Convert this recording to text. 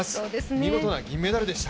見事な銀メダルでした。